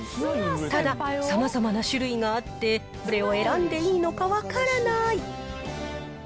ただ、さまざまな種類があって、どれを選んでいいのか分からない。